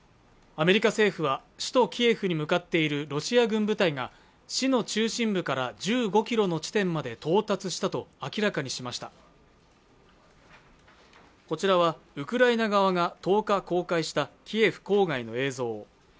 アメリカ政府は首都キエフに向かっているロシア軍部隊が市の中心部から１５キロの地点まで到達したと明らかにしましたこちらはウクライナ側が１０日公開したキエフ郊外の映像